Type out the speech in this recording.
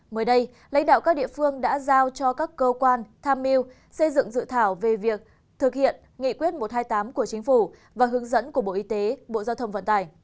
mới đây lãnh đạo các địa phương đã giao cho các cơ quan tham mưu xây dựng dự thảo về việc thực hiện nghị quyết một trăm hai mươi tám của chính phủ và hướng dẫn của bộ y tế bộ giao thông vận tải